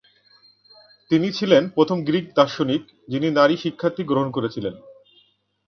তিনি ছিলেন প্রথম গ্রিক দার্শনিক যিনি নারী শিক্ষার্থী গ্রহণ করেছিলেন।